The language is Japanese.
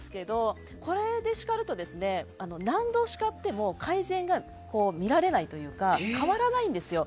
これで叱ると何度叱っても改善が見られないというか変わらないんですよ。